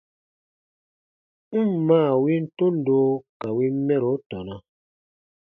N ǹ maa win tundo ka win mɛro tɔna.